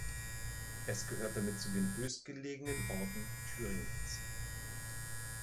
Es gehört damit zu den höchstgelegenen Orten Thüringens.